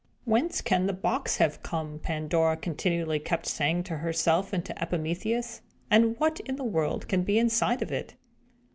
"Whence can the box have come?" Pandora continually kept saying to herself and to Epimetheus. "And what in the world can be inside of it?"